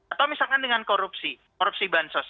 atau misalkan dengan korupsi korupsi bansos